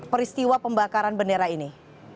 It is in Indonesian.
peristiwa pembakaran bendera ini